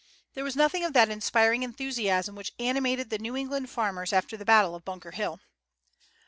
There was nothing of that inspiring enthusiasm which animated the New England farmers after the battle of Bunker Hill.